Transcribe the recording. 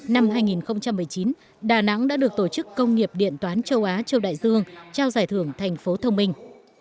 năm hai nghìn một mươi chín đà nẵng đã được tổ chức công nghiệp điện toán châu á châu đại dương trao giải thưởng thành phố thông minh